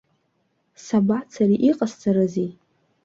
Сабацари, иҟасҵарызеи?